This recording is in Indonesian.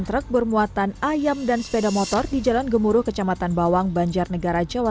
truk bermuatan ayam dan sepeda motor di jalan gemuruh kecamatan bawang banjarnegara jawa